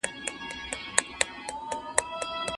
هغه څوک چې منډه وهي قوي کېږي!.